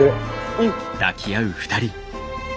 うん！